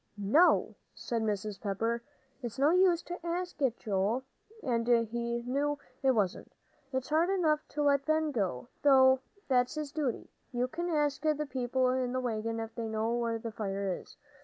"No," said Mrs. Pepper, "it's no use to ask it, Joel," and he knew it wasn't. "It's hard enough to let Ben go, though that's his duty. You can ask the people in the wagon if they know where the fire is."